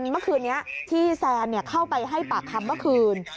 เมื่อคืนนี้ที่แซนเข้าไปให้ปากคำเมื่อคืน